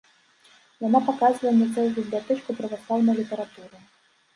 Яна паказвае мне цэлую бібліятэчку праваслаўнай літаратуры.